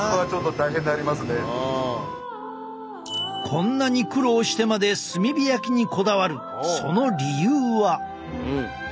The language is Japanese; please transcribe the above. こんなに苦労してまで炭火焼きにこだわるその理由は。